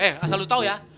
eh asal lu tau ya